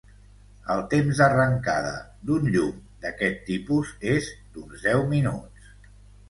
El temps d'arrencada d'un llum d'aquest tipus és d'uns deu minuts.